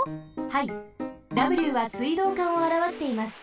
はいＷは水道管をあらわしています。